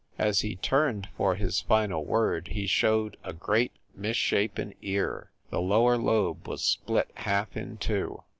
As he turned for his final word, he showed a great, misshapen ear. The lower lobe was split half in two.